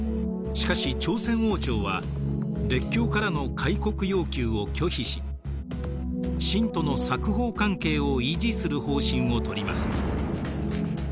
しかし朝鮮王朝は列強からの開国要求を拒否し清との冊封関係を維持する方針をとります。